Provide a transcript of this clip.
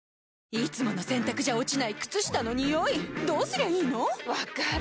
いつもの洗たくじゃ落ちない靴下のニオイどうすりゃいいの⁉分かる。